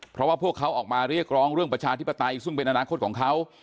เพราะว่าพวกเขาออกมาเรียกร้องเรื่องประชาธิปไตยซึ่งเป็นอนาคตของเขา